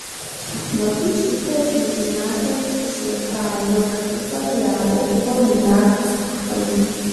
Махуищ ипэ ди щӀыналъэм къыщеха уэшх фӀыцӀэри а Ӏуэхугъуэм ирапх цӀыхухэм.